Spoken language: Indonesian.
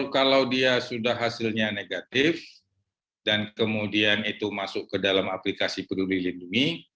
kalau dia sudah hasilnya negatif dan kemudian itu masuk ke dalam aplikasi peduli lindungi